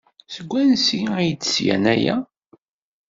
Seg wansi ay d-slan aya?